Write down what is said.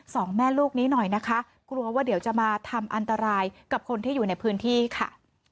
สองแม่ลูกนี้หน่อยนะคะกลัวว่าเดี๋ยวจะมาทำอันตรายกับคนที่อยู่ในพื้นที่ค่ะ